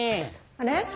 あれ？